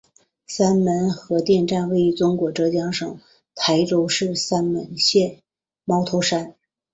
三门核电站位于中国浙江省台州市三门县猫头山。